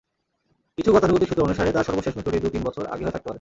কিছু গতানুগতিক সূত্র অনুসারে, তাঁর সর্বশেষ মৃত্যুটি দু-তিন বছর আগে হয়ে থাকতে পারে।